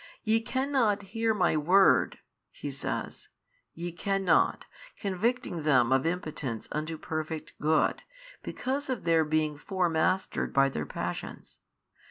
Ye cannot hear My Word. He says, ye cannot, convicting them of impotence unto perfect good, because of their being fore mastered by their passions.